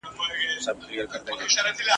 ګړی وروسته یې کرار سوله دردوونه ..